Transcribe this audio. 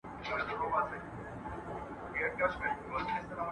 په کڅوڼي کي مي هیڅ داسي پټ شی نه و ایښی.